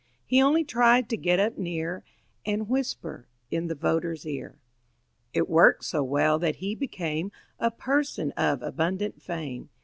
He only tried to get up near And whisper in the voter's ear. It worked so well that he became A person of abundant fame.